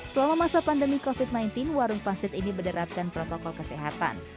selama masa pandemi covid sembilan belas warung pangsit ini menerapkan protokol kesehatan